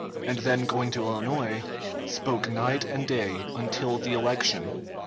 ] and then going to Illinois, spoke night and day until the election.